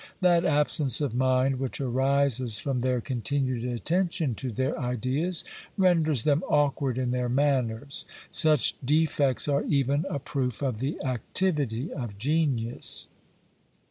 That absence of mind which arises from their continued attention to their ideas, renders them awkward in their manners. Such defects are even a proof of the activity of genius.